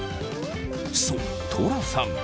そうトラさん。